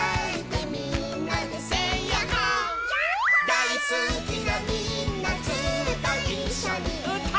「だいすきなみんなずっといっしょにうたおう」